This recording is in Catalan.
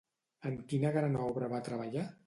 En quina gran obra va treballar?